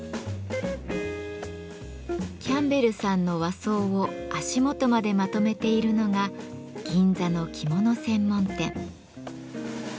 キャンベルさんの和装を足元までまとめているのが銀座の着物専門店。